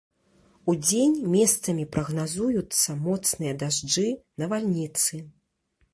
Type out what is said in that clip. Удзень месцамі прагназуюцца моцныя дажджы, навальніцы.